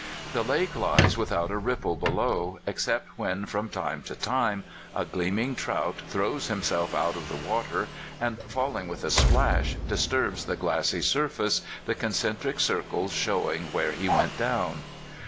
The lake lies without a ripple below, except when from time to time a gleaming trout throws himself out of the water, and, falling with a splash, disturbs the glassy surface, the concentric circles showing where he went down.